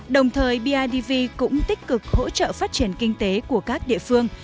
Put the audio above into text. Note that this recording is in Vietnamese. đồng thời bidv cũng tích cực hỗ trợ phát triển kinh tế của các địa phương